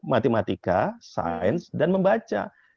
matematika sains dan membaca